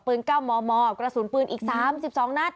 ปืนเก้าหมอกระสุนปืนอีก๓๒นัด